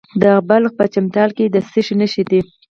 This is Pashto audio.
د بلخ په چمتال کې د څه شي نښې دي؟